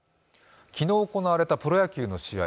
昨日行われたプロ野球の試合